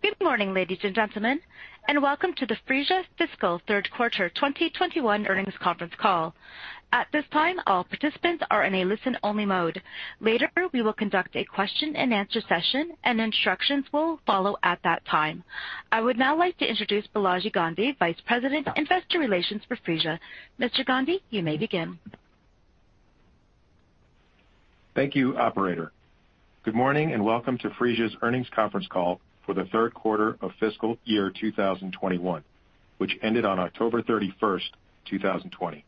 Good morning, ladies and gentlemen, and welcome to the Phreesia Fiscal Third Quarter 2021 Earnings Conference Call. At this time, all participants are in a listen-only mode. Later, we will conduct a question-and-answer session, and instructions will follow at that time. I would now like to introduce Balaji Gandhi, Vice President, Investor Relations for Phreesia. Mr. Gandhi, you may begin. Thank you, operator. Good morning, and welcome to Phreesia's earnings conference call for the third quarter of fiscal year 2021, which ended on October 31, 2020.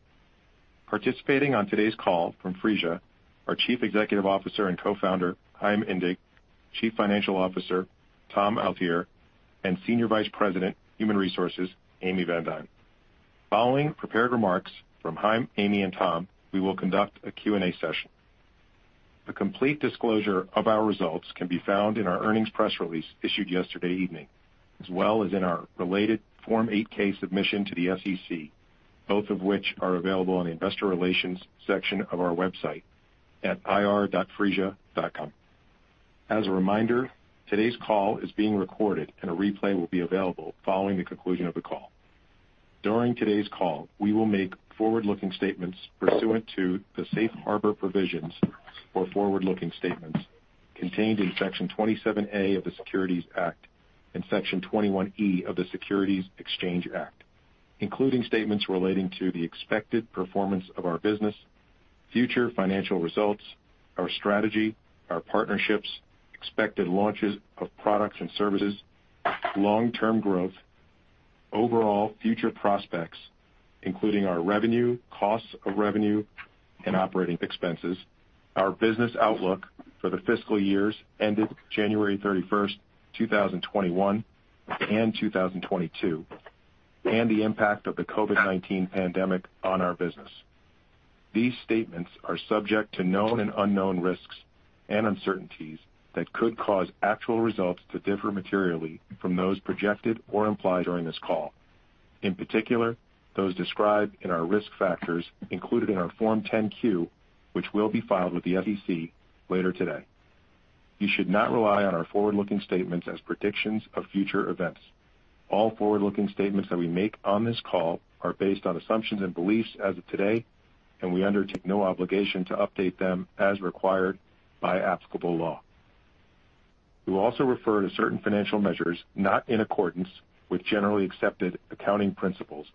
Participating on today's call from Phreesia are Chief Executive Officer and Co-founder, Chaim Indig; Chief Financial Officer, Tom Altier; and Senior Vice President, Human Resources, Amy VanDuyn. Following prepared remarks from Chaim, Amy, and Tom, we will conduct a Q&A session. A complete disclosure of our results can be found in our earnings press release issued yesterday evening, as well as in our related Form 8-K submission to the SEC, both of which are available on the Investor Relations section of our website at ir.phreesia.com. As a reminder, today's call is being recorded, and a replay will be available following the conclusion of the call. During today's call, we will make forward-looking statements pursuant to the safe harbor provisions for forward-looking statements contained in Section 27A of the Securities Act and Section 21E of the Securities Exchange Act, including statements relating to the expected performance of our business, future financial results, our strategy, our partnerships, expected launches of products and services, long-term growth, overall future prospects, including our revenue, costs of revenue, and operating expenses, our business outlook for the fiscal years ended January 31, 2021 and 2022, and the impact of the COVID-19 pandemic on our business. These statements are subject to known and unknown risks and uncertainties that could cause actual results to differ materially from those projected or implied during this call, in particular, those described in our risk factors included in our Form 10-Q, which will be filed with the SEC later today. You should not rely on our forward-looking statements as predictions of future events. All forward-looking statements that we make on this call are based on assumptions and beliefs as of today, and we undertake no obligation to update them as required by applicable law. We will also refer to certain financial measures not in accordance with Generally Accepted Accounting Principles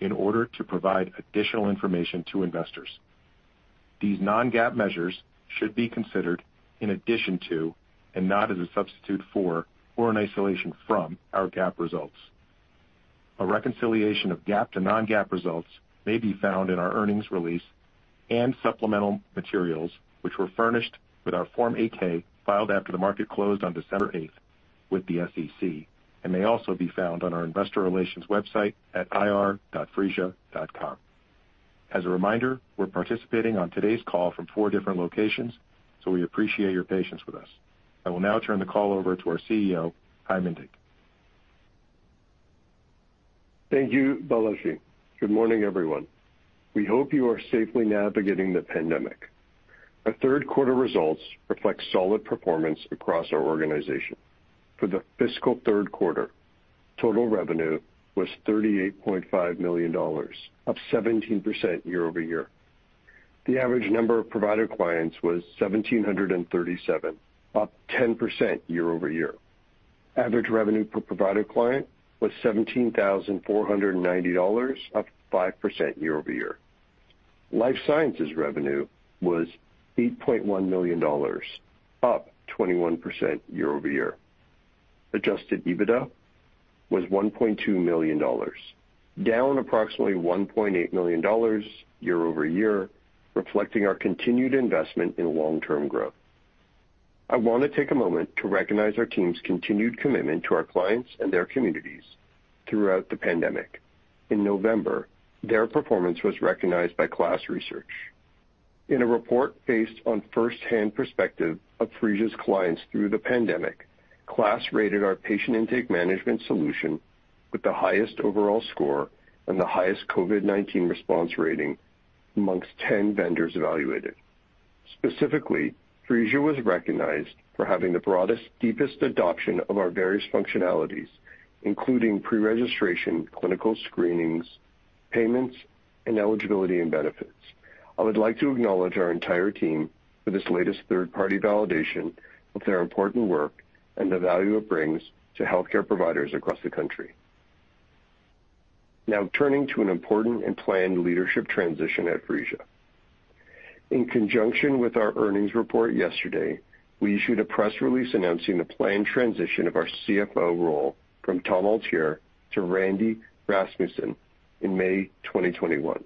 in order to provide additional information to investors. These non-GAAP measures should be considered in addition to and not as a substitute for or an isolation from our GAAP results. A reconciliation of GAAP to non-GAAP results may be found in our earnings release and supplemental materials, which were furnished with our Form 8-K, filed after the market closed on December eighth with the SEC, and may also be found on our investor relations website at ir.phreesia.com. As a reminder, we're participating on today's call from 4 different locations, so we appreciate your patience with us. I will now turn the call over to our Chief Executive Officer, Chaim Indig. Thank you, Balaji. Good morning, everyone. We hope you are safely navigating the pandemic. Our third quarter results reflect solid performance across our organization. For the fiscal third quarter, total revenue was $38.5 million, up 17% year-over-year. The average number of provider clients was 1,737, up 10% year-over-year. Average revenue per provider client was $17,490, up 5% year-over-year. Life sciences revenue was $8.1 million, up 21% year-over-year. Adjusted EBITDA was $1.2 million, down approximately $1.8 million year-over-year, reflecting our continued investment in long-term growth. I want to take a moment to recognize our team's continued commitment to our clients and their communities throughout the pandemic. In November, their performance was recognized by KLAS Research. In a report based on first-hand perspective of Phreesia's clients through the pandemic, KLAS rated our patient intake management solution with the highest overall score and the highest COVID-19 response rating amongst 10 vendors evaluated. Specifically, Phreesia was recognized for having the broadest, deepest adoption of our various functionalities, including pre-registration, clinical screenings, payments, and eligibility and benefits. I would like to acknowledge our entire team for this latest third-party validation of their important work and the value it brings to healthcare providers across the country. Now, turning to an important and planned leadership transition at Phreesia. In conjunction with our earnings report yesterday, we issued a press release announcing the planned transition of our CFO role from Tom Altier to Randy Rasmussen in May 2021.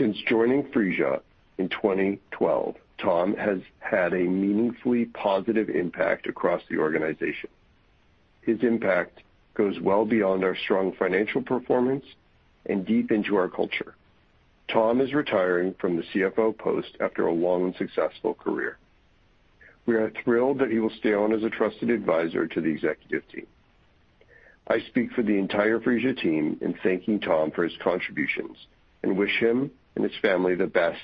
Since joining Phreesia in 2012, Tom has had a meaningfully positive impact across the organization. His impact goes well beyond our strong financial performance and deep into our culture. Tom is retiring from the CFO post after a long and successful career. We are thrilled that he will stay on as a trusted advisor to the executive team. I speak for the entire Phreesia team in thanking Tom for his contributions, and wish him and his family the best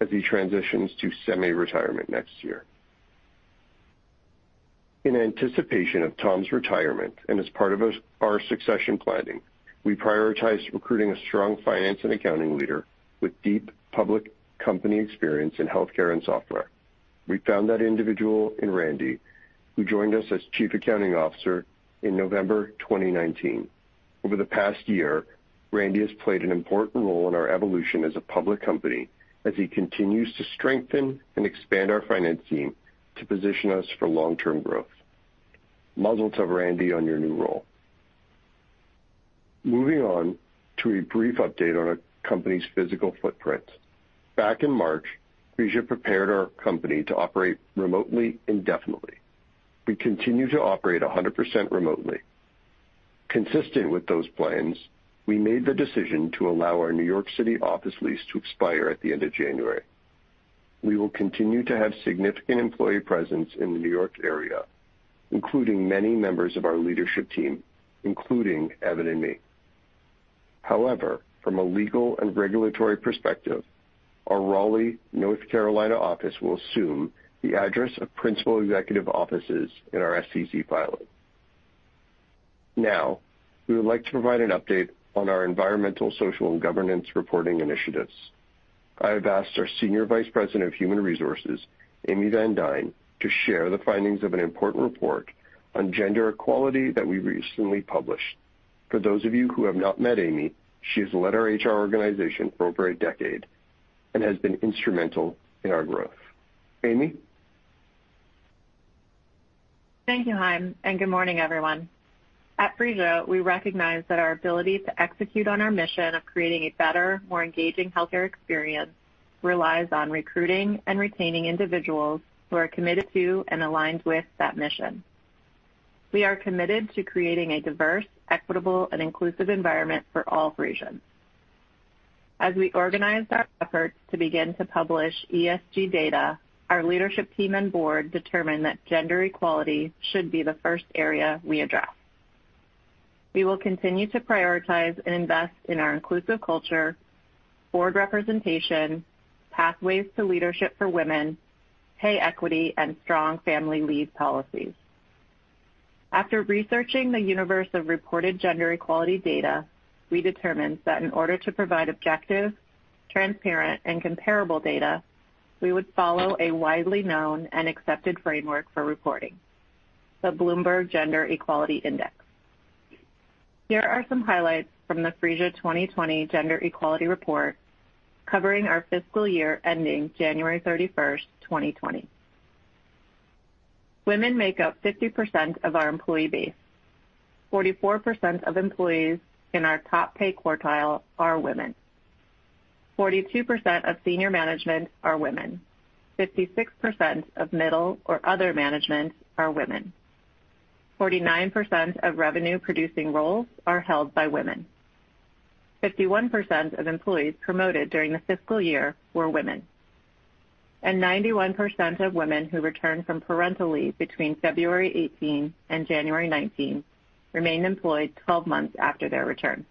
as he transitions to semi-retirement next year. In anticipation of Tom's retirement, and as part of our succession planning, we prioritized recruiting a strong finance and accounting leader with deep public company experience in healthcare and software. We found that individual in Randy, who joined us as Chief Accounting Officer in November 2019. Over the past year, Randy has played an important role in our evolution as a public company, as he continues to strengthen and expand our finance team to position us for long-term growth. Mazel tov, Randy, on your new role. Moving on to a brief update on our company's physical footprint. Back in March, Phreesia prepared our company to operate remotely indefinitely. We continue to operate 100% remotely. Consistent with those plans, we made the decision to allow our New York City office lease to expire at the end of January. We will continue to have significant employee presence in the New York area, including many members of our leadership team, including Evan and me. However, from a legal and regulatory perspective, our Raleigh, North Carolina, office will assume the address of principal executive offices in our SEC filing. Now, we would like to provide an update on our environmental, social, and governance reporting initiatives. I have asked our Senior Vice President of Human Resources, Amy VanDuyn, to share the findings of an important report on gender equality that we recently published. For those of you who have not met Amy, she has led our HR organization for over a decade, and has been instrumental in our growth. Amy? Thank you, Chaim, and good morning, everyone. At Phreesia, we recognize that our ability to execute on our mission of creating a better, more engaging healthcare experience relies on recruiting and retaining individuals who are committed to and aligned with that mission. We are committed to creating a diverse, equitable, and inclusive environment for all Phreesians. As we organized our efforts to begin to publish ESG data, our leadership team and board determined that gender equality should be the first area we address. We will continue to prioritize and invest in our inclusive culture, board representation, pathways to leadership for women, pay equity, and strong family leave policies. After researching the universe of reported gender equality data, we determined that in order to provide objective, transparent, and comparable data, we would follow a widely known and accepted framework for reporting, the Bloomberg Gender Equality Index. Here are some highlights from the Phreesia 2020 Gender Equality Report, covering our fiscal year ending January 31, 2020. Women make up 50% of our employee base. 44% of employees in our top pay quartile are women. 42% of senior management are women. 56% of middle or other management are women. 49% of revenue-producing roles are held by women. 51% of employees promoted during the fiscal year were women, and 91% of women who returned from parental leave between February 18 and January 19 remained employed 12 months after their return.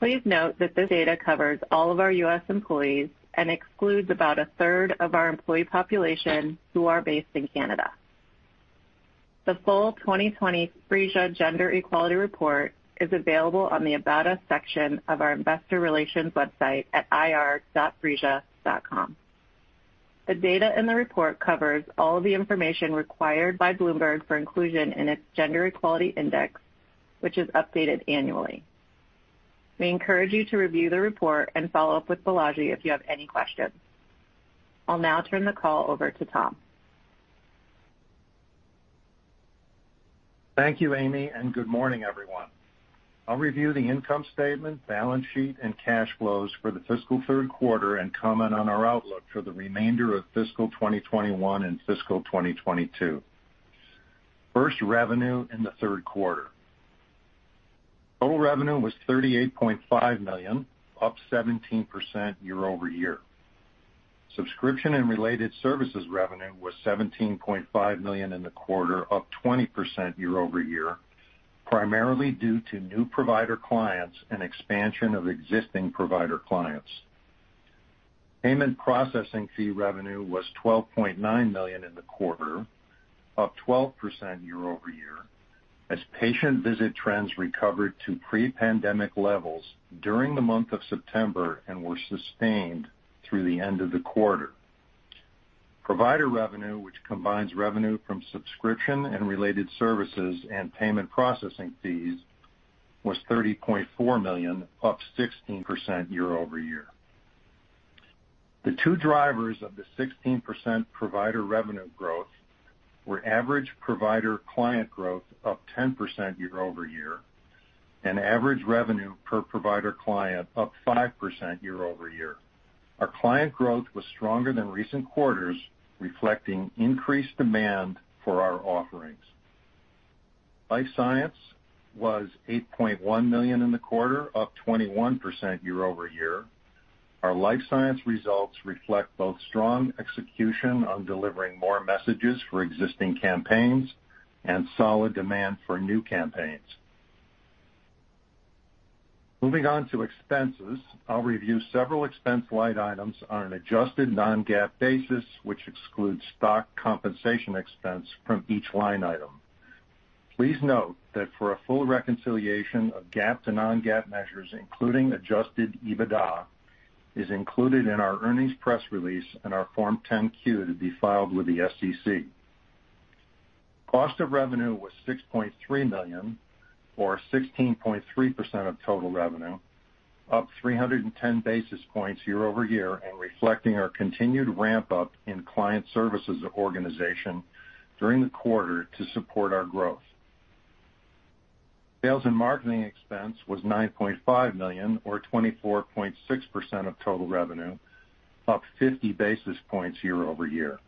Please note that this data covers all of our U.S. employees and excludes about a third of our employee population who are based in Canada. The full 2020 Phreesia Gender Equality Report is available on the About Us section of our investor relations website at ir.phreesia.com. The data in the report covers all the information required by Bloomberg for inclusion in its Gender Equality Index, which is updated annually. We encourage you to review the report and follow up with Balaji if you have any questions. I'll now turn the call over to Tom. Thank you, Amy, and good morning, everyone. I'll review the income statement, balance sheet, and cash flows for the fiscal third quarter and comment on our outlook for the remainder of fiscal 2021 and fiscal 2022. First, revenue in the third quarter. Total revenue was $38.5 million, up 17% year-over-year. Subscription and related services revenue was $17.5 million in the quarter, up 20% year-over-year, primarily due to new provider clients and expansion of existing provider clients. Payment processing fee revenue was $12.9 million in the quarter, up 12% year-over-year, as patient visit trends recovered to pre-pandemic levels during the month of September and were sustained through the end of the quarter. Provider revenue, which combines revenue from subscription and related services and payment processing fees, was $30.4 million, up 16% year-over-year. The two drivers of the 16% provider revenue growth were average provider client growth, up 10% year-over-year, and average revenue per provider client, up 5% year-over-year. Our client growth was stronger than recent quarters, reflecting increased demand for our offerings. Life Sciences was $8.1 million in the quarter, up 21% year-over-year. Our Life Sciences results reflect both strong execution on delivering more messages for existing campaigns and solid demand for new campaigns. Moving on to expenses, I'll review several expense line items on an adjusted non-GAAP basis, which excludes stock compensation expense from each line item. Please note that for a full reconciliation of GAAP to non-GAAP measures, including adjusted EBITDA, is included in our earnings press release and our Form 10-Q to be filed with the SEC. Cost of revenue was $6.3 million, or 16.3% of total revenue, up 310 basis points year-over-year, and reflecting our continued ramp-up in client services organization during the quarter to support our growth. Sales and marketing expense was $9.5 million, or 24.6% of total revenue, up 50 basis points year-over-year.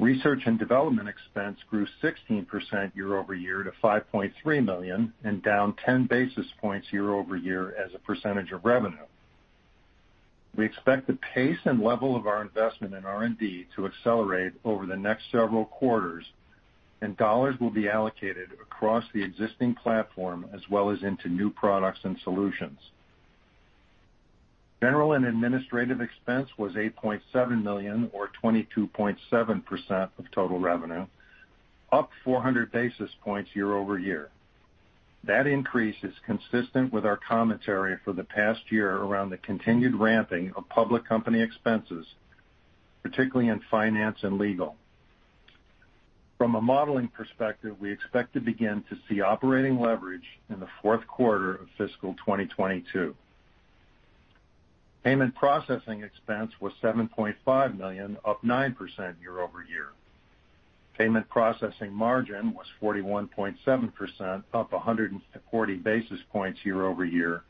Research and development expense grew 16% year-over-year to $5.3 million and down 10 basis points year-over-year as a percentage of revenue. We expect the pace and level of our investment in R&D to accelerate over the next several quarters, and dollars will be allocated across the existing platform as well as into new products and solutions. General and administrative expense was $8.7 million, or 22.7% of total revenue, up 400 basis points year-over-year. That increase is consistent with our commentary for the past year around the continued ramping of public company expenses, particularly in finance and legal. From a modeling perspective, we expect to begin to see operating leverage in the fourth quarter of fiscal 2022. Payment processing expense was $7.5 million, up 9% year-over-year. Payment processing margin was 41.7%, up 140 basis points year-over-year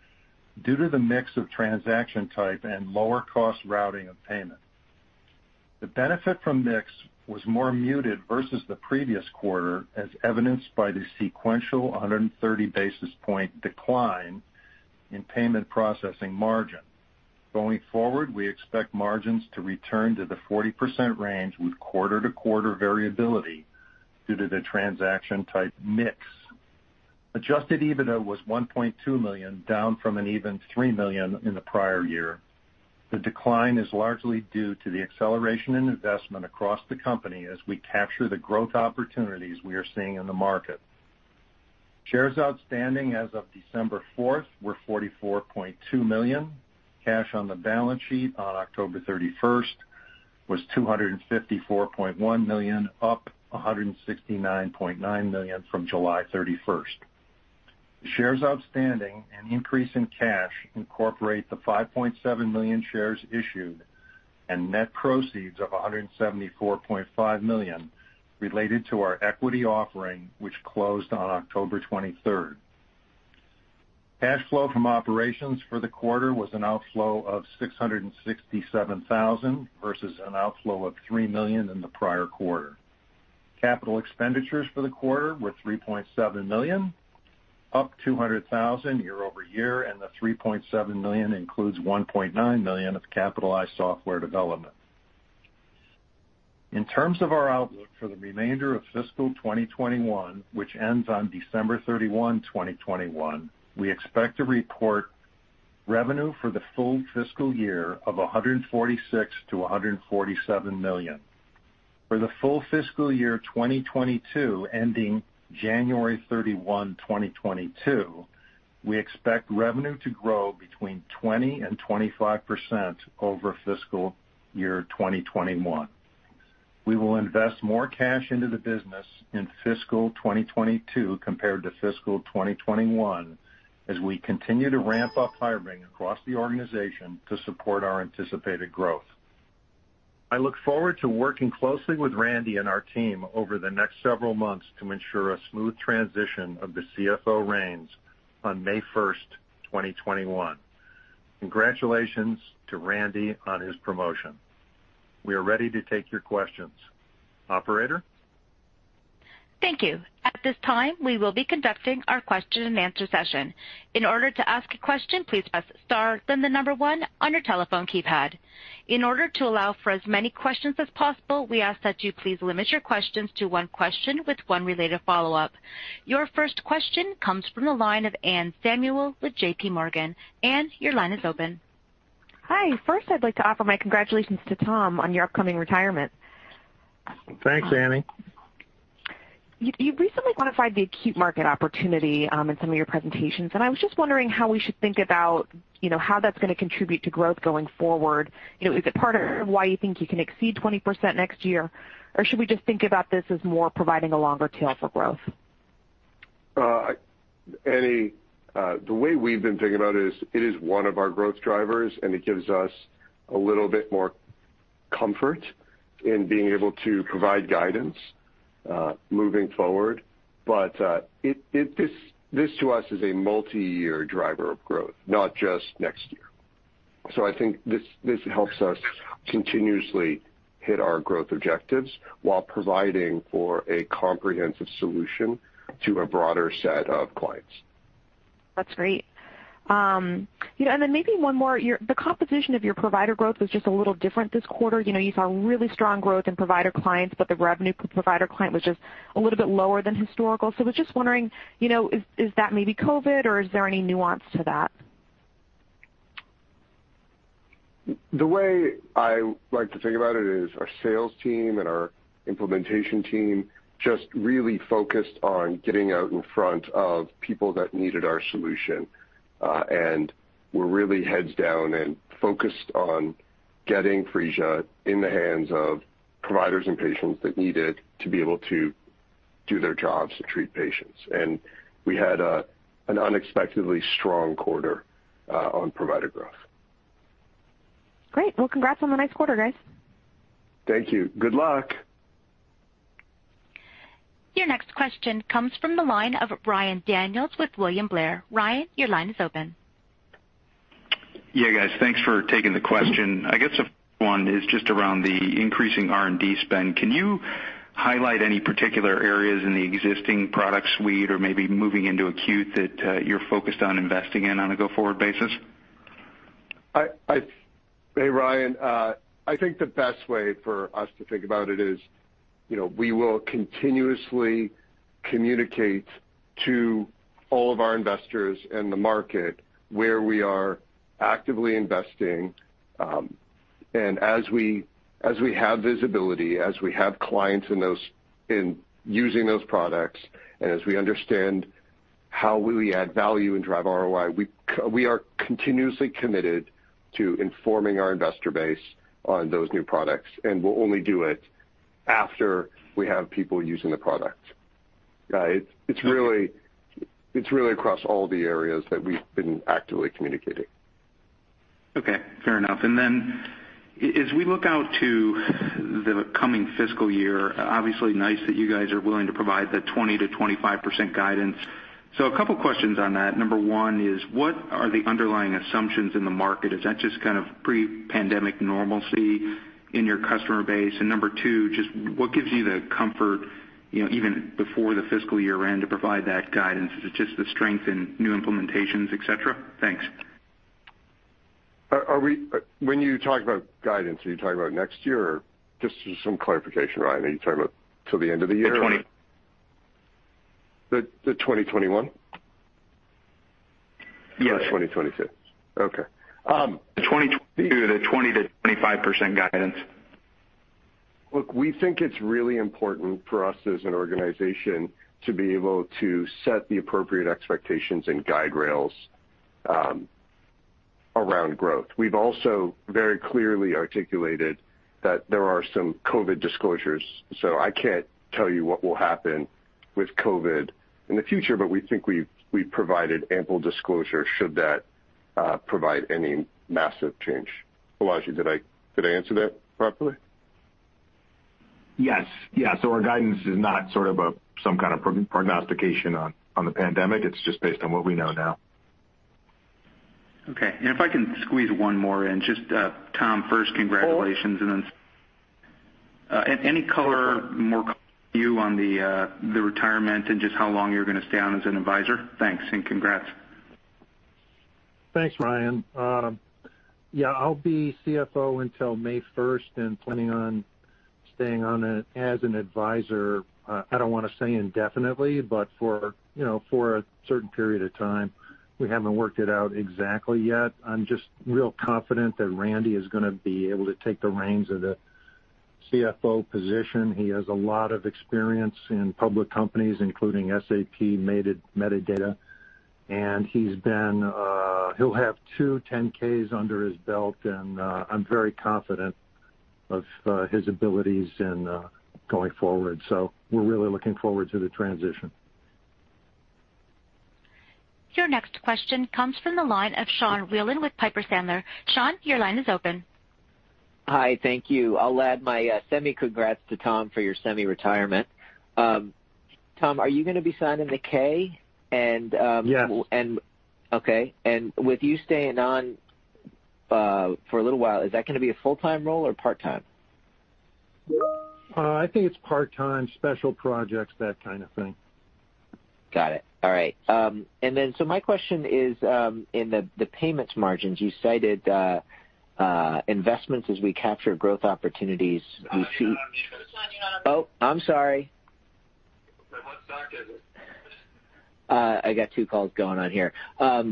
due to the mix of transaction type and lower cost routing of payment. The benefit from mix was more muted versus the previous quarter, as evidenced by the sequential 130 basis point decline in payment processing margin. Going forward, we expect margins to return to the 40% range with quarter-to-quarter variability due to the transaction type mix. Adjusted EBITDA was $1.2 million, down from an even $3 million in the prior year. The decline is largely due to the acceleration in investment across the company as we capture the growth opportunities we are seeing in the market. Shares outstanding as of December fourth were 44.2 million. Cash on the balance sheet on 31 October was $254.1 million, up $169.9 million from July 31. Shares outstanding and increase in cash incorporate the 5.7 million shares issued and net proceeds of $174.5 million related to our equity offering, which closed on October twenty-third. Cash flow from operations for the quarter was an outflow of $667,000 versus an outflow of $3 million in the prior quarter. Capital expenditures for the quarter were $3.7 million, up 200,000 year-over-year, and the $3.7 million includes $1.9 million of capitalized software development. In terms of our outlook for the remainder of fiscal 2021, which ends on 31 December, 2021, we expect to report revenue for the full fiscal year of $146 million-$147 million. For the full fiscal year 2022, ending January 31, 2022, we expect revenue to grow between 20% and 25% over fiscal year 2021. We will invest more cash into the business in fiscal 2022 compared to fiscal 2021 as we continue to ramp up hiring across the organization to support our anticipated growth. I look forward to working closely with Randy and our team over the next several months to ensure a smooth transition of the CFO reins on May 1, 2021. Congratulations to Randy on his promotion. We are ready to take your questions. Operator? Thank you. At this time, we will be conducting our question-and-answer session. In order to ask a question, please press star, then the number one on your telephone keypad. In order to allow for as many questions as possible, we ask that you please limit your questions to one question with one related follow-up. Your first question comes from the line of Anne Samuel with J.P. Morgan. Anne, your line is open. Hi. First, I'd like to offer my congratulations to Tom on your upcoming retirement. Thanks, Annie. You recently quantified the acute market opportunity in some of your presentations, and I was just wondering how we should think about, you know, how that's going to contribute to growth going forward. You know, is it part of why you think you can exceed 20% next year? Or should we just think about this as more providing a longer tail for growth? Anne, the way we've been thinking about it is, it is one of our growth drivers, and it gives us a little bit more comfort in being able to provide guidance moving forward. But, this, this to us is a multiyear driver of growth, not just next year. So I think this, this helps us continuously hit our growth objectives while providing for a comprehensive solution to a broader set of clients. That's great. You know, and then maybe one more. The composition of your provider growth was just a little different this quarter. You know, you saw really strong growth in provider clients, but the revenue per provider client was just a little bit lower than historical. So I was just wondering, you know, is that maybe COVID, or is there any nuance to that? The way I like to think about it is our sales team and our implementation team just really focused on getting out in front of people that needed our solution, and were really heads down and focused on getting Phreesia in the hands of providers and patients that need it to be able to do their jobs to treat patients. We had an unexpectedly strong quarter on provider growth. Great. Well, congrats on the nice quarter, guys. Thank you. Good luck! Your next question comes from the line of Ryan Daniels with William Blair. Ryan, your line is open. Yeah, guys, thanks for taking the question. I guess one is just around the increasing R&D spend. Can you highlight any particular areas in the existing product suite or maybe moving into acute that you're focused on investing in on a go-forward basis? Hey, Ryan. I think the best way for us to think about it is, you know, we will continuously communicate to all of our investors and the market where we are actively investing. And as we have visibility, as we have clients in those- in using those products, and as we understand how will we add value and drive ROI, we are continuously committed to informing our investor base on those new products, and we'll only do it after we have people using the product. It's really across all the areas that we've been actively communicating. Okay, fair enough. And then as we look out to the coming fiscal year, obviously, nice that you guys are willing to provide the 20%-25% guidance. So a couple questions on that. Number one is, what are the underlying assumptions in the market? Is that just kind of pre-pandemic normalcy in your customer base? And number two, just what gives you the comfort, you know, even before the fiscal year end, to provide that guidance? Is it just the strength in new implementations, et cetera? Thanks. When you talk about guidance, are you talking about next year? Or just some clarification, Ryan, are you talking about till the end of the year? The 20. 2021? Yes. Or 2022. Okay. The 2022, the 20%-25% guidance. Look, we think it's really important for us as an organization to be able to set the appropriate expectations and guardrails around growth. We've also very clearly articulated that there are some COVID disclosures, so I can't tell you what will happen with COVID in the future, but we think we've provided ample disclosure should that provide any massive change. Balaji, did I answer that properly? Yes. Yeah, so our guidance is not sort of a, some kind of prognostication on, on the pandemic. It's just based on what we know now. Okay. And if I can squeeze one more in. Just, Tom, first, congratulations, and then, any more color on the retirement and just how long you're gonna stay on as an advisor? Thanks, and congrats. Thanks, Ryan. Yeah, I'll be CFO until May first and planning on staying on as an advisor. I don't wanna say indefinitely, but for, you know, for a certain period of time. We haven't worked it out exactly yet. I'm just real confident that Randy is gonna be able to take the reins of the CFO position. He has a lot of experience in public companies, including SAP and Medidata, and he's been. He'll have two 10-K's under his belt, and I'm very confident of his abilities in going forward. So we're really looking forward to the transition. Your next question comes from the line of Sean Wieland with Piper Sandler. Sean, your line is open. Hi, thank you. I'll add my semi congrats to Tom for your semi-retirement. Tom, are you gonna be signing the K? And, Yes. Okay. And with you staying on, for a little while, is that gonna be a full-time role or part-time? I think it's part-time, special projects, that kind of thing. Got it. All right. And then, so my question is, in the payments margins, you cited investments as we capture growth opportunities. We see- Sorry, you're not on mute. Oh, I'm sorry. What stock is it? I got two calls going on here.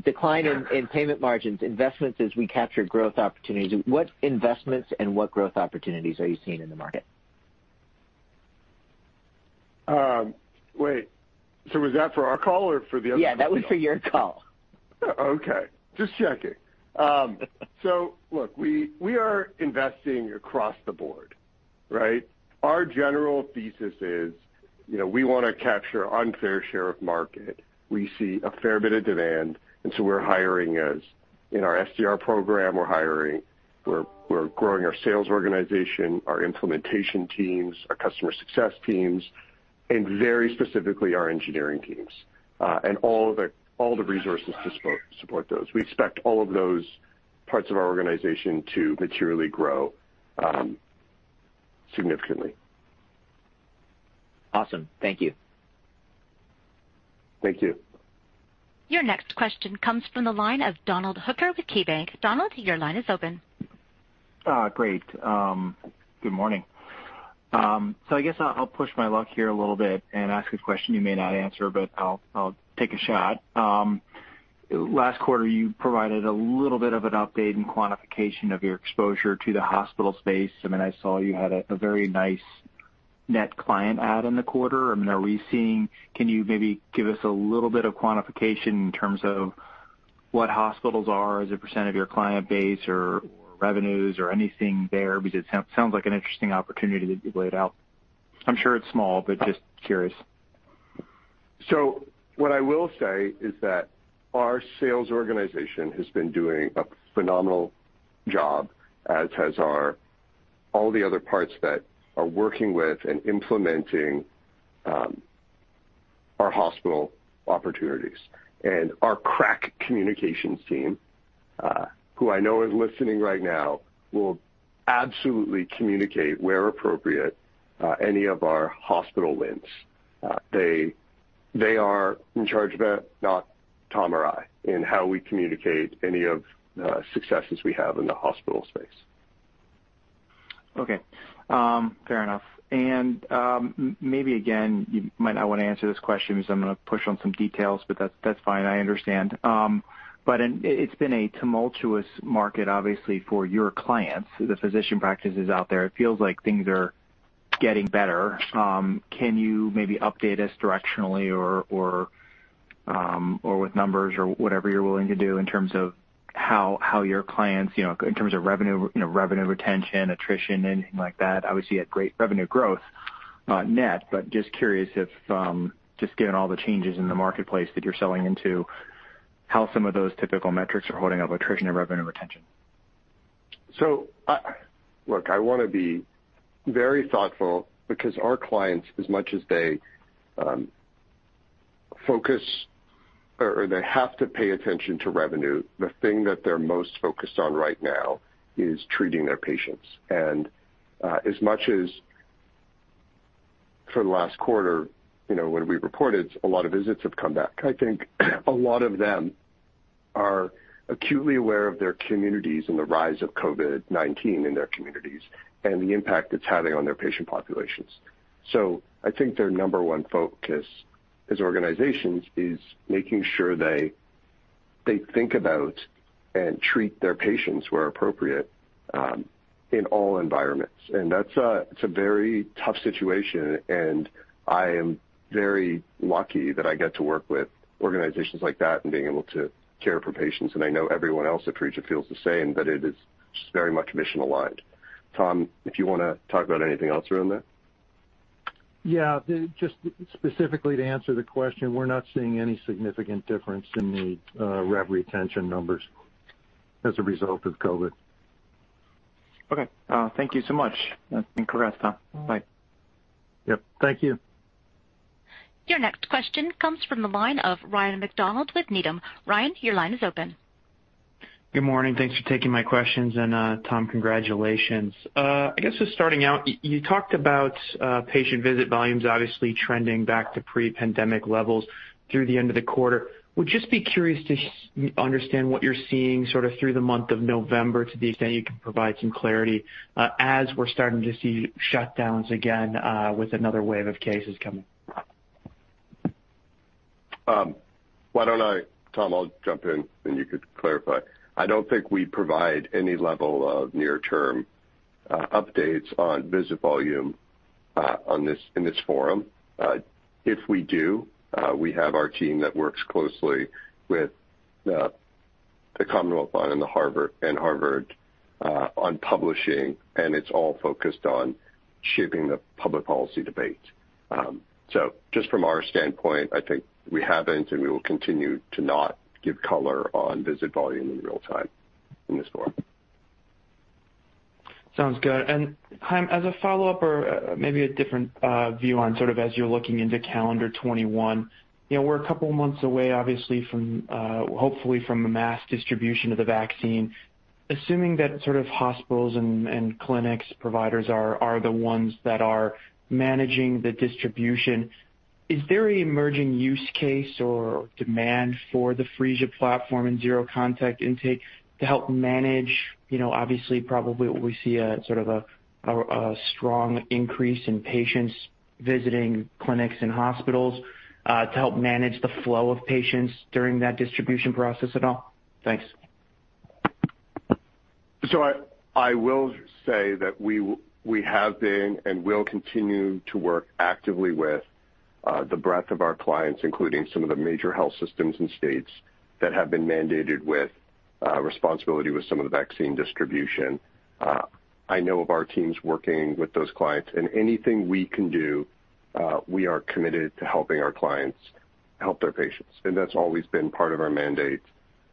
Decline in payment margins, investments as we capture growth opportunities. What investments and what growth opportunities are you seeing in the market? Wait, so was that for our call or for the other? Yeah, that was for your call. Okay, just checking. So look, we are investing across the board, right? Our general thesis is, you know, we wanna capture unfair share of market. We see a fair bit of demand, and so we're hiring in our SDR program, we're hiring, we're growing our sales organization, our implementation teams, our customer success teams... and very specifically our engineering teams, and all the resources to support those. We expect all of those parts of our organization to materially grow significantly. Awesome. Thank you. Thank you. Your next question comes from the line of Donald Hooker with KeyBanc. Donald, your line is open. Great. Good morning. So I guess I'll push my luck here a little bit and ask a question you may not answer, but I'll take a shot. Last quarter, you provided a little bit of an update and quantification of your exposure to the hospital space. I mean, I saw you had a very nice net client add in the quarter. I mean, can you maybe give us a little bit of quantification in terms of what hospitals are as a percent of your client base or revenues or anything there? Because it sounds like an interesting opportunity that you've laid out. I'm sure it's small, but just curious. What I will say is that our sales organization has been doing a phenomenal job, as has our all the other parts that are working with and implementing our hospital opportunities. Our crack communications team, who I know is listening right now, will absolutely communicate, where appropriate, any of our hospital wins. They are in charge of that, not Tom or I, in how we communicate any of the successes we have in the hospital space. Okay. Fair enough. Maybe again, you might not want to answer this question because I'm going to push on some details, but that's, that's fine, I understand. It's been a tumultuous market, obviously, for your clients, the physician practices out there. It feels like things are getting better. Can you maybe update us directionally or, or, or with numbers or whatever you're willing to do in terms of how, how your clients, you know, in terms of revenue, you know, revenue retention, attrition, anything like that? Obviously, you had great revenue growth, net, but just curious if, just given all the changes in the marketplace that you're selling into, how some of those typical metrics are holding up, attrition and revenue retention? So, look, I want to be very thoughtful because our clients, as much as they focus or they have to pay attention to revenue, the thing that they're most focused on right now is treating their patients. And, as much as for the last quarter, you know, when we reported, a lot of visits have come back, I think a lot of them are acutely aware of their communities and the rise of COVID-19 in their communities and the impact it's having on their patient populations. So I think their number one focus as organizations is making sure they think about and treat their patients where appropriate, in all environments. And that's, it's a very tough situation, and I am very lucky that I get to work with organizations like that and being able to care for patients, and I know everyone else at Phreesia feels the same, that it is just very much mission aligned. Tom, if you want to talk about anything else around that? Yeah, just specifically to answer the question, we're not seeing any significant difference in the rev retention numbers as a result of COVID. Okay. Thank you so much. Congrats, Tom. Bye. Yep. Thank you. Your next question comes from the line of Ryan MacDonald with Needham. Ryan, your line is open. Good morning. Thanks for taking my questions, and Tom, congratulations. I guess just starting out, you talked about patient visit volumes obviously trending back to pre-pandemic levels through the end of the quarter. Would just be curious to understand what you're seeing sort of through the month of November, to the extent you can provide some clarity, as we're starting to see shutdowns again with another wave of cases coming. Why don't I, Tom, I'll jump in, and you could clarify. I don't think we provide any level of near-term updates on visit volume in this forum. If we do, we have our team that works closely with the Commonwealth Fund and Harvard on publishing, and it's all focused on shaping the public policy debate. So just from our standpoint, I think we haven't and we will continue to not give color on visit volume in real time in this forum. Sounds good. And, Chaim, as a follow-up or maybe a different view on sort of as you're looking into calendar 2021, you know, we're a couple of months away, obviously, from hopefully from a mass distribution of the vaccine. Assuming that sort of hospitals and clinics, providers are the ones that are managing the distribution, is there an emerging use case or demand for the Phreesia platform and zero contact intake to help manage, you know, obviously, probably we see a sort of a strong increase in patients visiting clinics and hospitals to help manage the flow of patients during that distribution process at all? Thanks. So I will say that we have been and will continue to work actively with the breadth of our clients, including some of the major health systems and states that have been mandated with responsibility with some of the vaccine distribution. I know of our teams working with those clients, and anything we can do, we are committed to helping our clients help their patients, and that's always been part of our mandate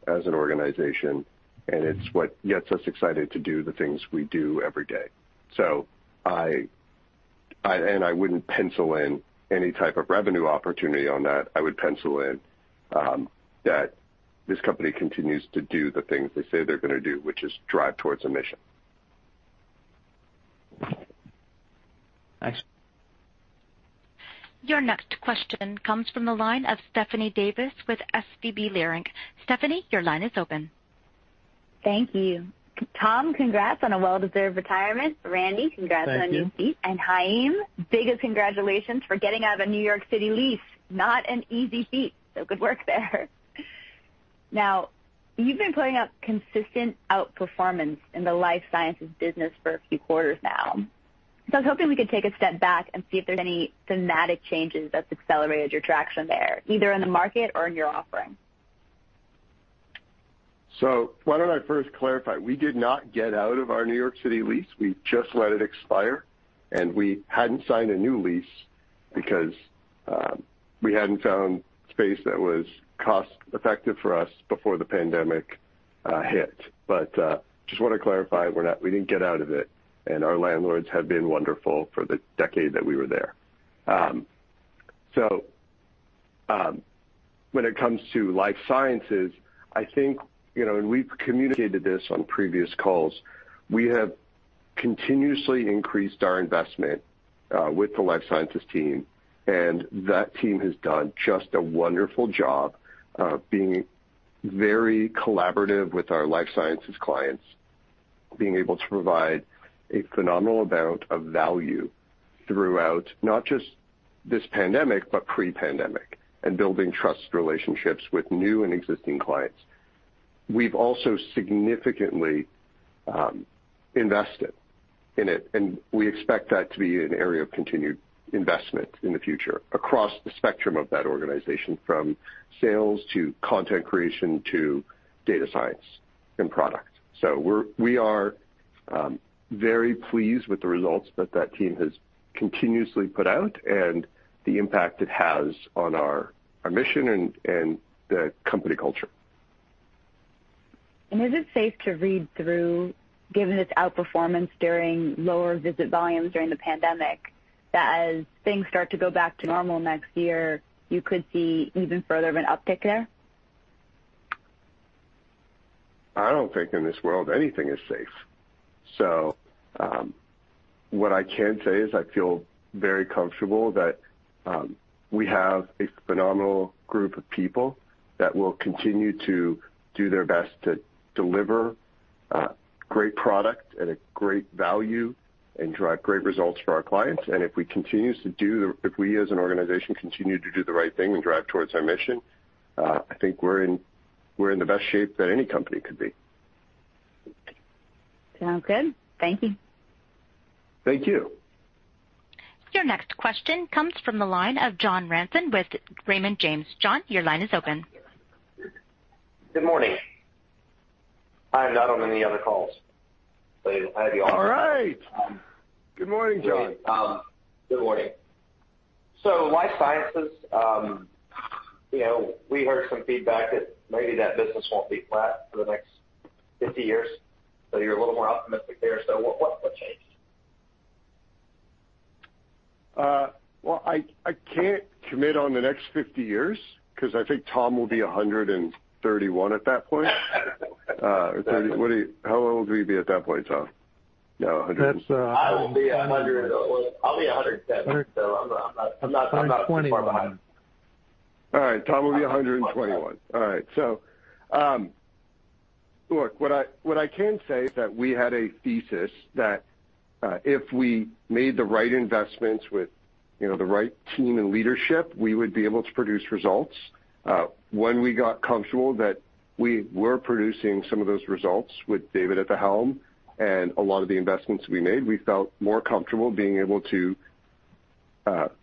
as an organization, and it's what gets us excited to do the things we do every day. And I wouldn't pencil in any type of revenue opportunity on that. I would pencil in that this company continues to do the things they say they're gonna do, which is drive towards a mission. Thanks. Your next question comes from the line of Stephanie Davis with SVB Leerink. Stephanie, your line is open. Thank you. Tom, congrats on a well-deserved retirement. Randy, congrats- Thank you... on your new seat. Chaim, biggest congratulations for getting out of a New York City lease. Not an easy feat, so good work there. Now, you've been putting out consistent outperformance in the life sciences business for a few quarters now. So I was hoping we could take a step back and see if there's any thematic changes that's accelerated your traction there, either in the market or in your offering. So why don't I first clarify? We did not get out of our New York City lease. We just let it expire, and we hadn't signed a new lease because, we hadn't found space that was cost-effective for us before the pandemic, hit. But, just wanna clarify, we're not-- we didn't get out of it, and our landlords have been wonderful for the decade that we were there. So, when it comes to life sciences, I think, you know, and we've communicated this on previous calls, we have continuously increased our investment, with the life sciences team, and that team has done just a wonderful job of being very collaborative with our life sciences clients, being able to provide a phenomenal amount of value throughout, not just this pandemic, but pre-pandemic, and building trust relationships with new and existing clients. We've also significantly invested in it, and we expect that to be an area of continued investment in the future across the spectrum of that organization, from sales to content creation to data science and product. So we are very pleased with the results that that team has continuously put out and the impact it has on our mission and the company culture. Is it safe to read through, given its outperformance during lower visit volumes during the pandemic, that as things start to go back to normal next year, you could see even further of an uptick there? I don't think in this world anything is safe. So, what I can say is I feel very comfortable that we have a phenomenal group of people that will continue to do their best to deliver great product at a great value and drive great results for our clients. And if we, as an organization, continue to do the right thing and drive towards our mission, I think we're in, we're in the best shape that any company could be. Sound good. Thank you. Thank you. Your next question comes from the line of John Ransom with Raymond James. John, your line is open. Good morning. I'm not on any other calls, so you have me all wrong. All right. Good morning, John. Good morning. So life sciences, you know, we heard some feedback that maybe that business won't be flat for the next 50 years, so you're a little more optimistic there. So what, what changed? Well, I can't commit on the next 50 years because I think Tom will be 131 at that point. So what do you... How old will you be at that point, Tom? Now, 100- That's, uh- I will be 100... I'll be 110, so I'm not, I'm not talking about too far behind. All right, Tom will be 121. All right. So, look, what I, what I can say is that we had a thesis that if we made the right investments with, you know, the right team and leadership, we would be able to produce results. When we got comfortable that we were producing some of those results with David at the helm and a lot of the investments we made, we felt more comfortable being able to, you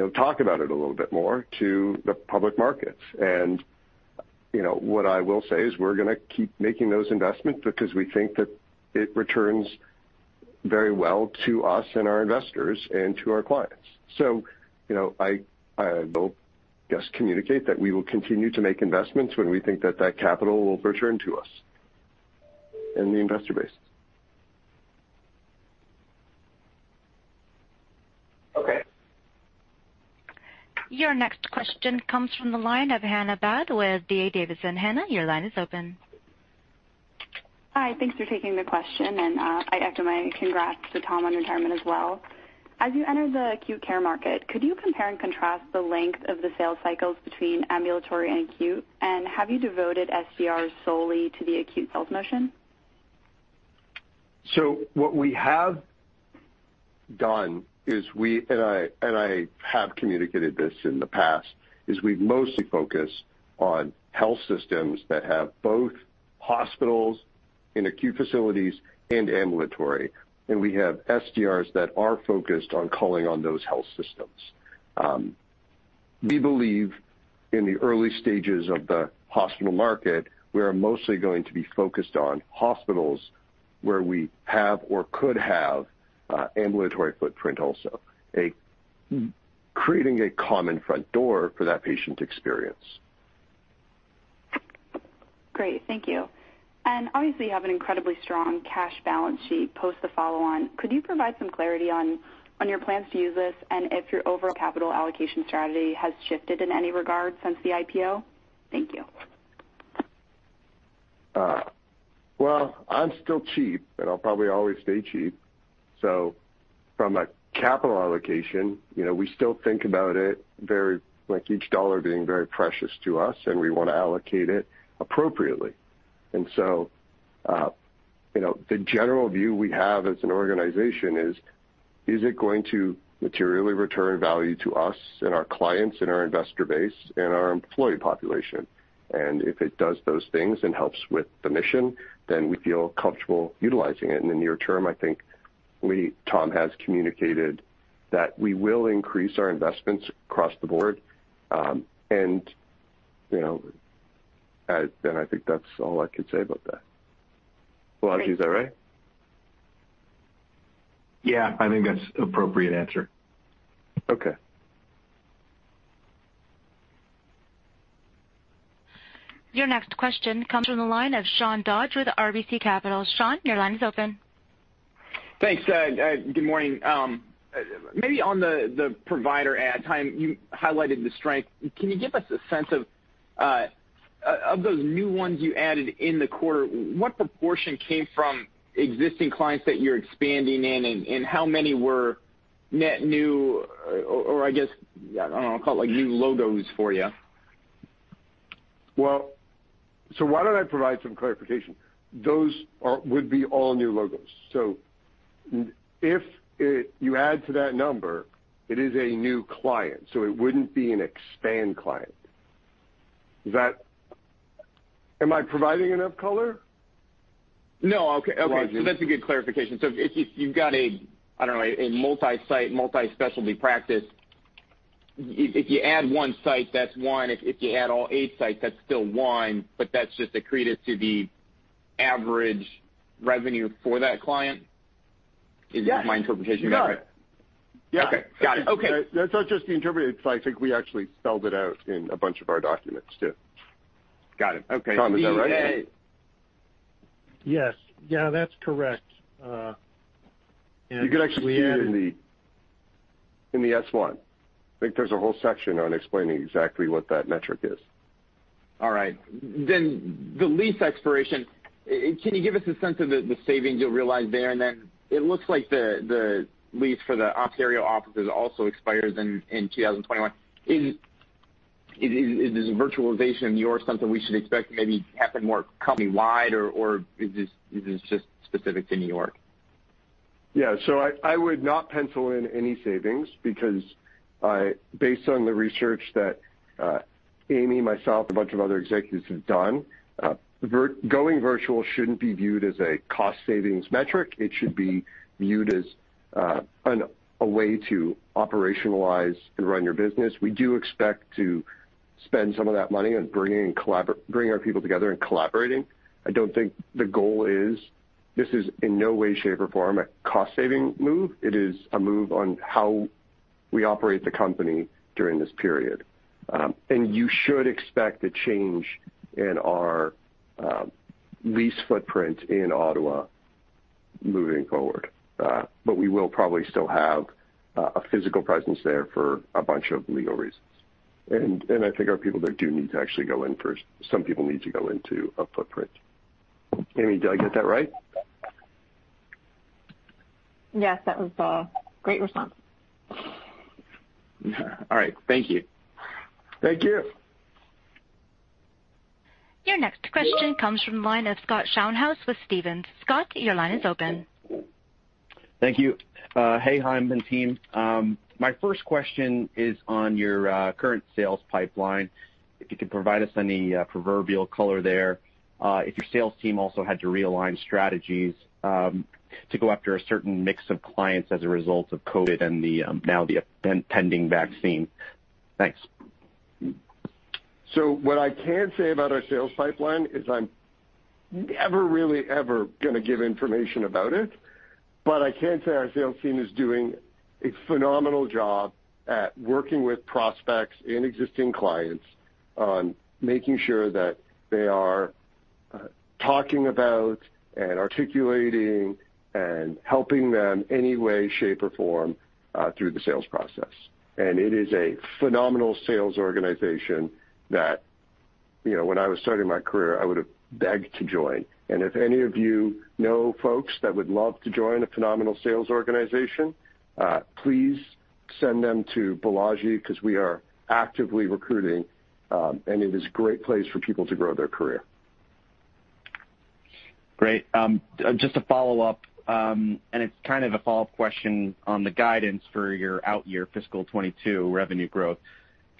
know, talk about it a little bit more to the public markets. And, you know, what I will say is we're gonna keep making those investments because we think that it returns very well to us and our investors and to our clients. You know, I, I will just communicate that we will continue to make investments when we think that that capital will return to us and the investor base. Okay. Your next question comes from the line of Hannah Baade with D.A. Davidson. Hannah, your line is open. Hi, thanks for taking the question, and, I echo my congrats to Tom on retirement as well. As you enter the acute care market, could you compare and contrast the length of the sales cycles between ambulatory and acute? And have you devoted SDRs solely to the acute sales motion? So what we have done is, and I have communicated this in the past, is we've mostly focused on health systems that have both hospitals and acute facilities and ambulatory, and we have SDRs that are focused on calling on those health systems. We believe in the early stages of the hospital market, we are mostly going to be focused on hospitals where we have or could have ambulatory footprint also, creating a common front door for that patient experience. Great, thank you. Obviously, you have an incredibly strong cash balance sheet post the follow-on. Could you provide some clarity on your plans to use this, and if your overall capital allocation strategy has shifted in any regard since the IPO? Thank you. Well, I'm still cheap, and I'll probably always stay cheap. So from a capital allocation, you know, we still think about it very, like, each dollar being very precious to us, and we want to allocate it appropriately. And so, you know, the general view we have as an organization is, is it going to materially return value to us and our clients and our investor base and our employee population? And if it does those things and helps with the mission, then we feel comfortable utilizing it. In the near term, I think Tom has communicated that we will increase our investments across the board, and, you know, and I think that's all I can say about that. Balaji, is that right? Yeah, I think that's appropriate answer. Okay. Your next question comes from the line of Sean Dodge with RBC Capital. Sean, your line is open. Thanks, good morning. Maybe on the provider ad time, you highlighted the strength. Can you give us a sense of those new ones you added in the quarter, what proportion came from existing clients that you're expanding in, and how many were net new or, I guess, I don't know, call it, like, new logos for you? Well, so why don't I provide some clarification? Those would be all new logos. So if you add to that number, it is a new client, so it wouldn't be an expand client. Is that... Am I providing enough color? No. Okay, okay. Balaji? So that's a good clarification. So if you've got, I don't know, a multi-site, multi-specialty practice, if you add one site, that's one. If you add all eight sites, that's still one, but that's just accreted to the average revenue for that client? Yes. Is my interpretation about right? Yeah. Okay, got it. Okay. That's not just the interpretation. I think we actually spelled it out in a bunch of our documents, too. Got it. Okay. Tom, is that right? Yes. Yeah, that's correct. You could actually see it in the S-1. I think there's a whole section on explaining exactly what that metric is. All right. Then the lease expiration, can you give us a sense of the savings you'll realize there? And then it looks like the lease for the Ontario offices also expires in 2021. Is virtualization in New York something we should expect to maybe happen more company-wide, or is this just specific to New York? Yeah, so I would not pencil in any savings because based on the research that Amy, myself, a bunch of other executives have done, going virtual shouldn't be viewed as a cost savings metric. It should be viewed as a way to operationalize and run your business. We do expect to spend some of that money on bringing our people together and collaborating. I don't think the goal is, this is in no way, shape, or form, a cost saving move. It is a move on how we operate the company during this period. And you should expect a change in our lease footprint in Ottawa moving forward, but we will probably still have a physical presence there for a bunch of legal reasons. I think our people there do need to actually go in first. Some people need to go into a footprint. Amy, did I get that right? Yes, that was a great response. All right. Thank you. Thank you. Your next question comes from the line of Scott Schoenhaus with Stephens. Scott, your line is open. Thank you. Hey, Chaim and team. My first question is on your current sales pipeline, if you could provide us any proverbial color there, if your sales team also had to realign strategies to go after a certain mix of clients as a result of COVID and the now the pending vaccine. Thanks. So what I can say about our sales pipeline is I'm never really ever gonna give information about it, but I can say our sales team is doing a phenomenal job at working with prospects and existing clients on making sure that they are talking about and articulating and helping them any way, shape, or form through the sales process. And it is a phenomenal sales organization that, you know, when I was starting my career, I would have begged to join. And if any of you know folks that would love to join a phenomenal sales organization, please send them to Balaji, because we are actively recruiting, and it is a great place for people to grow their career. Great. Just a follow-up, and it's kind of a follow-up question on the guidance for your outyear fiscal 2022 revenue growth.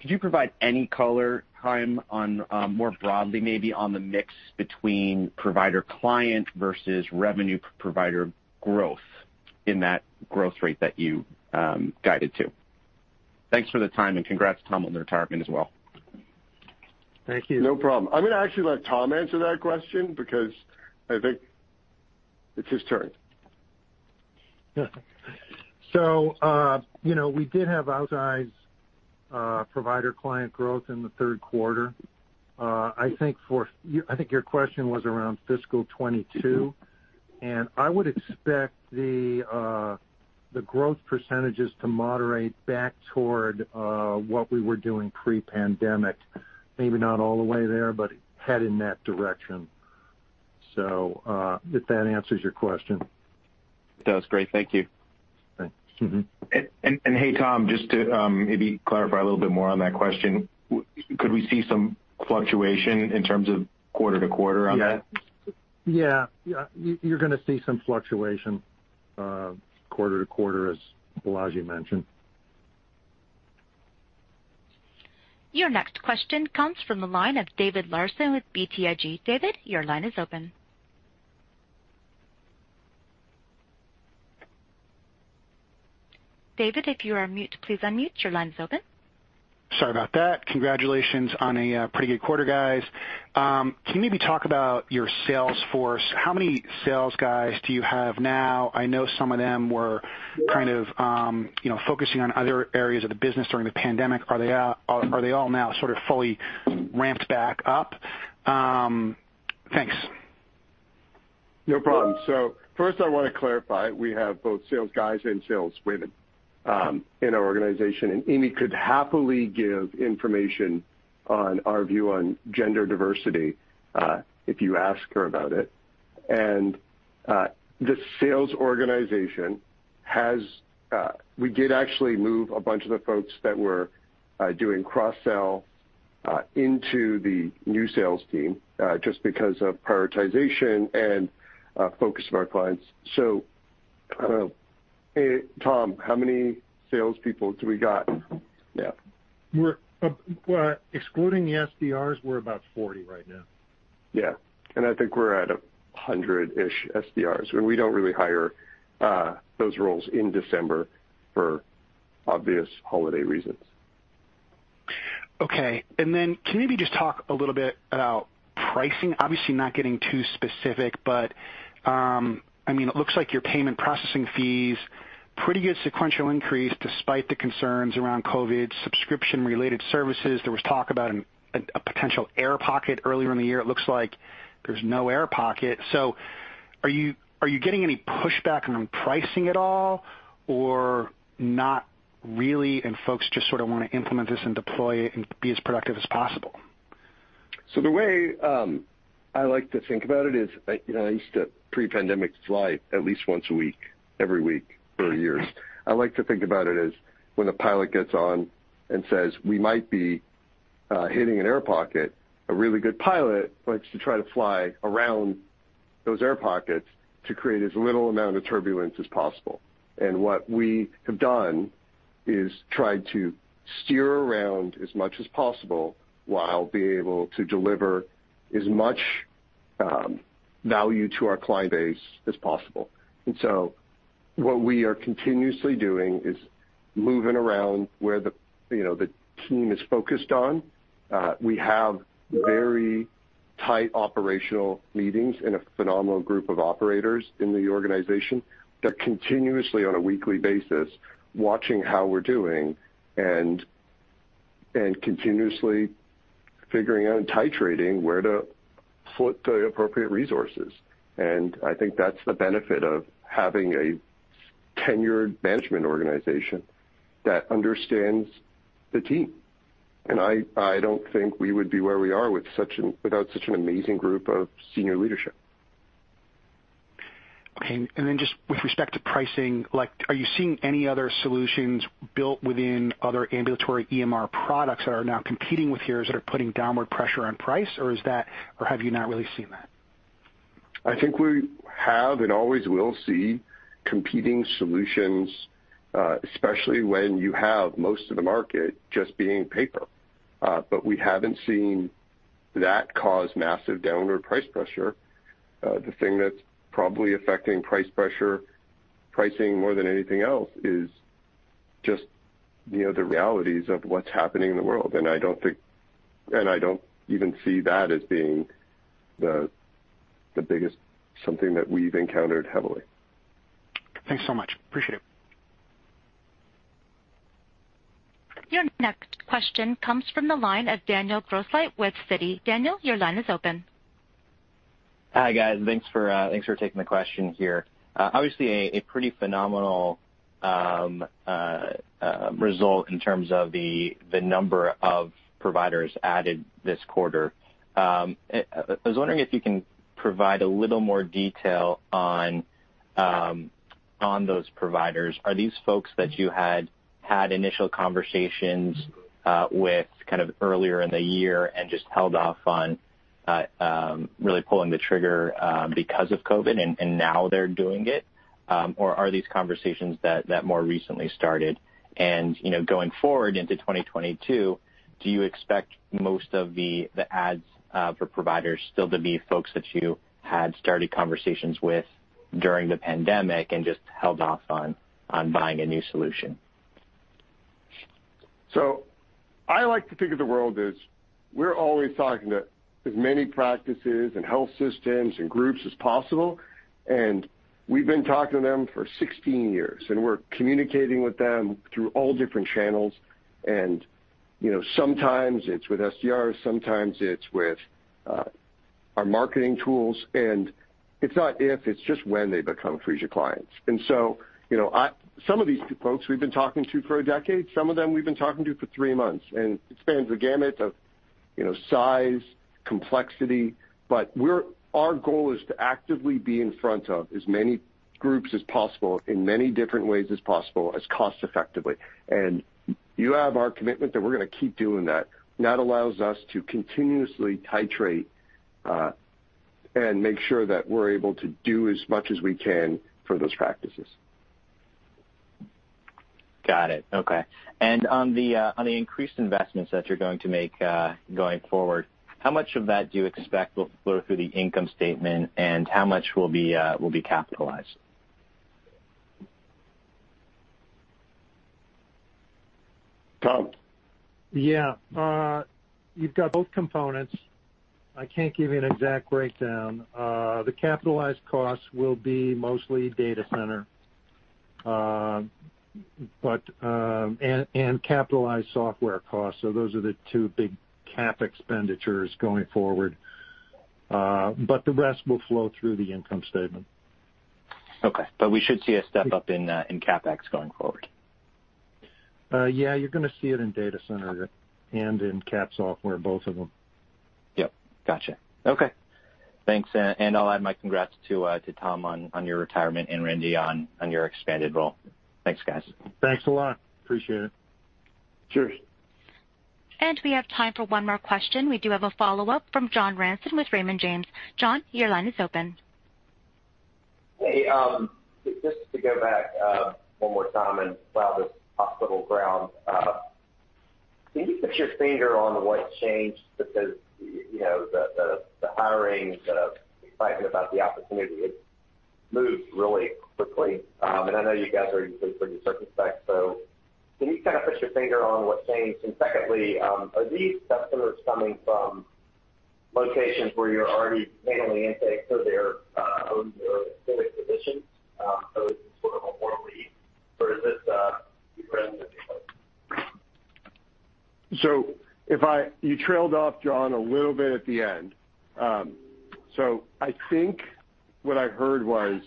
Could you provide any color, Chaim, on, more broadly, maybe on the mix between provider client versus revenue provider growth in that growth rate that you, guided to? Thanks for the time, and congrats, Tom, on the retirement as well.... Thank you. No problem. I'm gonna actually let Tom answer that question because I think it's his turn. So, you know, we did have outsized provider-client growth in the third quarter. I think your question was around fiscal 2022, and I would expect the growth percentages to moderate back toward what we were doing pre-pandemic. Maybe not all the way there, but headed in that direction. So, if that answers your question. That's great. Thank you. Thanks. Mm-hmm. Hey, Tom, just to maybe clarify a little bit more on that question, could we see some fluctuation in terms of quarter to quarter on that? Yeah. Yeah, you're gonna see some fluctuation quarter to quarter, as Balaji mentioned. Your next question comes from the line of David Larsen with BTIG. David, your line is open. David, if you are on mute, please unmute. Your line is open. Sorry about that. Congratulations on a pretty good quarter, guys. Can you maybe talk about your sales force? How many sales guys do you have now? I know some of them were kind of, you know, focusing on other areas of the business during the pandemic. Are they all now sort of fully ramped back up? Thanks. No problem. So first, I want to clarify, we have both sales guys and sales women, in our organization, and Amy could happily give information on our view on gender diversity, if you ask her about it. And, the sales organization has, we did actually move a bunch of the folks that were, doing cross-sell, into the new sales team, just because of prioritization and, focus of our clients. So, hey, Tom, how many salespeople do we got now? We're excluding the SDRs, we're about 40 right now. Yeah, and I think we're at 100-ish SDRs, and we don't really hire those roles in December for obvious holiday reasons. Okay. And then can you maybe just talk a little bit about pricing? Obviously, not getting too specific, but, I mean, it looks like your payment processing fees, pretty good sequential increase despite the concerns around COVID, subscription-related services. There was talk about a potential air pocket earlier in the year. It looks like there's no air pocket. So are you, are you getting any pushback on pricing at all, or not really, and folks just sort of want to implement this and deploy it and be as productive as possible? So the way I like to think about it is, you know, I used to pre-pandemic fly at least once a week, every week for years. I like to think about it as when a pilot gets on and says, "We might be hitting an air pocket," a really good pilot likes to try to fly around those air pockets to create as little amount of turbulence as possible. And what we have done is tried to steer around as much as possible while being able to deliver as much value to our client base as possible. And so what we are continuously doing is moving around where the, you know, the team is focused on. We have very tight operational meetings and a phenomenal group of operators in the organization that continuously, on a weekly basis, watching how we're doing and continuously figuring out and titrating where to put the appropriate resources. And I think that's the benefit of having a tenured management organization that understands the team, and I don't think we would be where we are without such an amazing group of senior leadership. Okay. And then just with respect to pricing, like, are you seeing any other solutions built within other ambulatory EMR products that are now competing with yours, that are putting downward pressure on price, or is that- or have you not really seen that? I think we have and always will see competing solutions, especially when you have most of the market just being paper. But we haven't seen that cause massive downward price pressure. The thing that's probably affecting price pressure, pricing more than anything else is just, you know, the realities of what's happening in the world. And I don't think- and I don't even see that as being the, the biggest something that we've encountered heavily. Thanks so much. Appreciate it. Your next question comes from the line of Daniel Grosslight with Citi. Daniel, your line is open. Hi, guys. Thanks for taking the question here. Obviously, a pretty phenomenal result in terms of the number of providers added this quarter. I was wondering if you can provide a little more detail on those providers. Are these folks that you had had initial conversations with kind of earlier in the year and just held off on really pulling the trigger because of COVID, and now they're doing it? Or are these conversations that more recently started? And, you know, going forward into 2022, do you expect most of the adds for providers still to be folks that you had started conversations with during the pandemic and just held off on buying a new solution? So I like to think of the world as we're always talking to as many practices and health systems and groups as possible, and we've been talking to them for 16 years, and we're communicating with them through all different channels. And, you know, sometimes it's with SDRs, sometimes it's with our marketing tools, and it's not if, it's just when they become Phreesia clients. And so, you know, some of these folks we've been talking to for a decade, some of them we've been talking to for three months, and it spans the gamut of, you know, size, complexity. But our goal is to actively be in front of as many groups as possible, in many different ways as possible, as cost effectively. And you have our commitment that we're gonna keep doing that. That allows us to continuously titrate, and make sure that we're able to do as much as we can for those practices. Got it. Okay. On the increased investments that you're going to make, going forward, how much of that do you expect will flow through the income statement, and how much will be, will be capitalized? Tom? Yeah. You've got both components. I can't give you an exact breakdown. The capitalized costs will be mostly data center and capitalized software costs, so those are the two big CapEx going forward. But the rest will flow through the income statement. Okay, but we should see a step up in CapEx going forward? Yeah, you're gonna see it in data center and in cap software, both of them. Yep. Gotcha. Okay, thanks. I'll add my congrats to Tom on your retirement and Randy on your expanded role. Thanks, guys. Thanks a lot. Appreciate it. Cheers. We have time for one more question. We do have a follow-up from John Ransom with Raymond James. John, your line is open. Hey, just to go back, one more time and plow this hospital ground. Can you put your finger on what changed? Because, you know, the hiring, the excitement about the opportunity, it moved really quickly. And I know you guys are usually pretty circumspect, so can you kind of put your finger on what changed? And secondly, are these customers coming from locations where you're already handling intake, so they're, or physician, so it's sort of a warm lead, or is this, new friends? So if I... You trailed off, John, a little bit at the end. So I think what I heard was,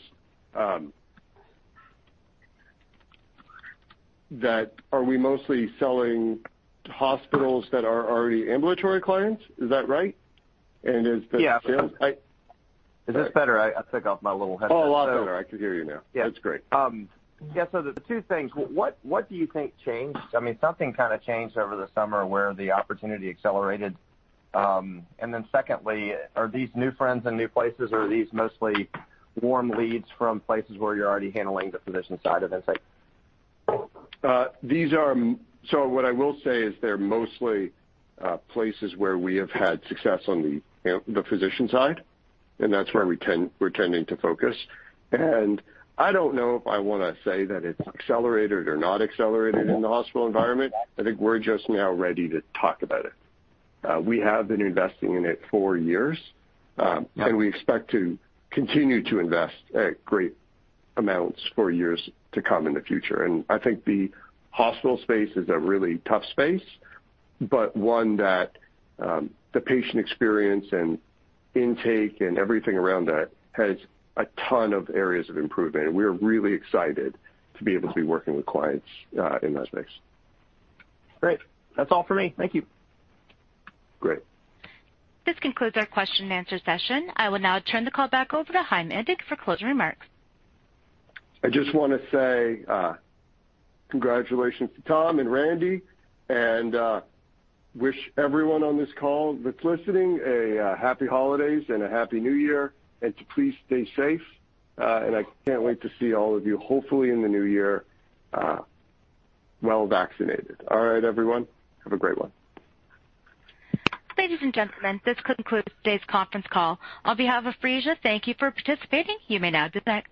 that are we mostly selling to hospitals that are already ambulatory clients? Is that right? And is the- Yeah. Is this better? I, I took off my little headset. Oh, a lot better. I can hear you now. Yeah. It's great. Yeah, so the two things: What do you think changed? I mean, something kind of changed over the summer where the opportunity accelerated. And then secondly, are these new friends and new places, or are these mostly warm leads from places where you're already handling the physician side of insight? So what I will say is they're mostly places where we have had success on the physician side, and that's where we tend, we're tending to focus. I don't know if I want to say that it's accelerated or not accelerated in the hospital environment. I think we're just now ready to talk about it. We have been investing in it for years, and we expect to continue to invest at great amounts for years to come in the future. I think the hospital space is a really tough space, but one that the patient experience and intake and everything around that has a ton of areas of improvement, and we're really excited to be able to be working with clients in that space. Great. That's all for me. Thank you. Great. This concludes our question and answer session. I will now turn the call back over to Chaim Indig for closing remarks. I just want to say, congratulations to Tom and Randy, and wish everyone on this call that's listening a happy holidays and a Happy New Year, and to please stay safe. And I can't wait to see all of you, hopefully, in the new year, well vaccinated. All right, everyone, have a great one. Ladies and gentlemen, this concludes today's conference call. On behalf of Phreesia, thank you for participating. You may now disconnect.